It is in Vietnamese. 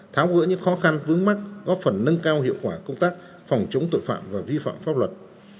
tháo gỡ những khó khăn vướng mắt góp phần nâng cao hiệu quả công tác phòng chống tội phạm và vi phạm pháp luật